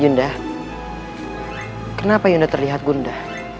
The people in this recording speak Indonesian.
yunda kenapa yunda terlihat gunda